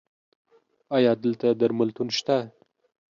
ایا دلته درملتون شته؟